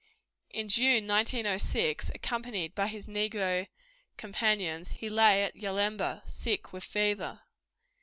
In June 1906, accompanied by his negro companions, he lay at Yalemba, sick with fever.